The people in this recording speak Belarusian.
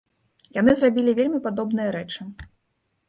Яны зрабілі вельмі падобныя рэчы.